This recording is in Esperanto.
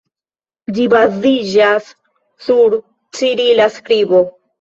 Ĝi baziĝas sur cirila skribo.